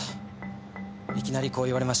いきなりこう言われました。